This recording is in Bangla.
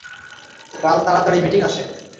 কাল তাড়াতাড়ি মিটিং আছে।